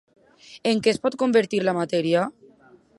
En què es pot convertir la matèria?